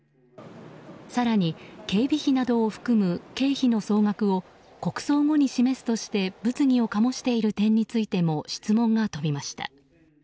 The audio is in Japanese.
更に警備費などを含む経費の総額を国葬後に示すとして物議を醸している点についても質問が飛びました。